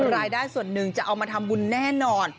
รายได้ส่วนหนึ่งจะเอามาทำบุญแน่นอน